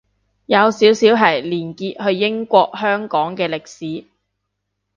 有少少係連結去英國香港嘅歷史